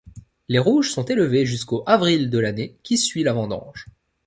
Les rouges sont élevés jusqu'au avril de l'année qui suit la vendange.